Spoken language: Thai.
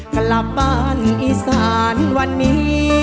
กลับบ้านอีสานวันนี้